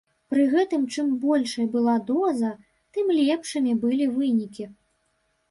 Пры гэтым чым большай была доза, тым лепшымі былі вынікі.